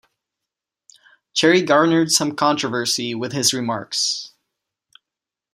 Cherry garnered some controversy with his remarks.